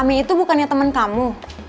ami itu bukannya temen kamu